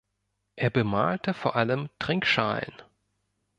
Er bemalte vor allem Trinkschalen.